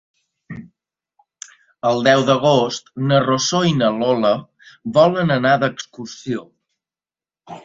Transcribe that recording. El deu d'agost na Rosó i na Lola volen anar d'excursió.